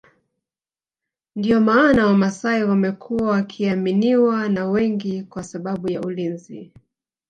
Ndio maana wamasai wamekuwa wakiaminiwa na wengi kwa sababu ya ulinzi